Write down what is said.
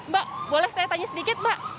mbak boleh saya tanya sedikit mbak